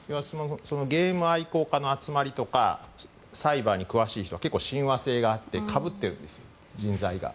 ゲーム愛好家の集まりとかサイバーに詳しい人は結構、親和性があってかぶってるんです、人材が。